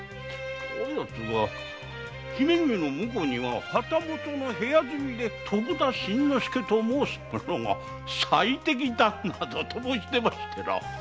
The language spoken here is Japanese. あ奴が「姫君の婿には旗本の部屋住みで徳田新之助と申す者が最適だ」などと申し出ましてな。